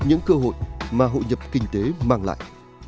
những cơ hội mà hội nhập kinh tế mang lại